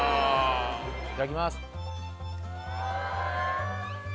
いただきます